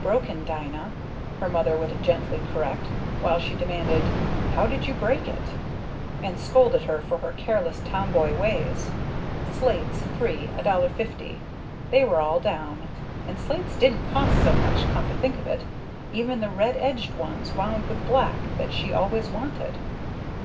"Broken, Dina," her Mother would gently correct, while he demanded, "How did you break it?" and scolded her for her careless tomboy ways. Slates three, $1.50 they were all down. And slates didn't cost so much come to think of it, even the red edged ones, wound with black, that she always wanted.